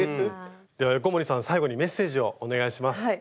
では横森さん最後にメッセージをお願いします。